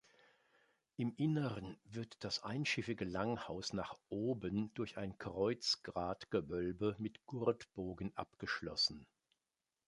Im Innern wird das einschiffige Langhaus nach oben durch ein Kreuzgratgewölbe mit Gurtbogen abgeschlossen.